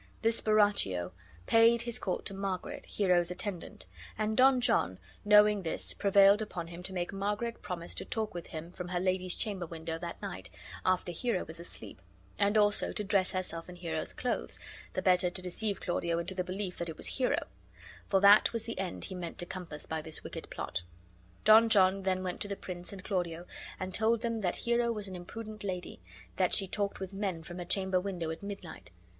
This Borachio paid his court to Margaret, Hero's attendant; and Don John, knowing this, prevailed upon him to make Margaret promise to talk with him from her lady's chamber window that night, after Hero was asleep, and also to dress herself in Hero's clothes, the better to deceive Claudio into the belief that it was Hero; for that was the end he meant to compass by this wicked plot. Don John then went to the prince and Claudio and told them that Hero was an imprudent lady, and that she talked with men from her chamber window at midnight.